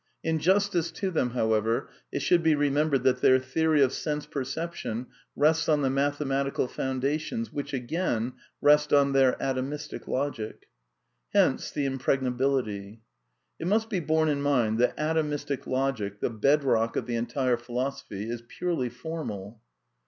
In justice to them, however, it should be remembered that their theory of sense perception rests on the mathematical foundations, which, again, rest on their Atomistic Logic. Hence the impregnability. / It must be borne in mind that Atomistic Logic, the bed v rock of the entire philosophy, is purely formal.